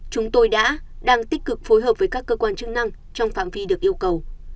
chúng tôi đã đang tích cực phối hợp với các cơ quan chức năng trong phạm vi được yêu cầu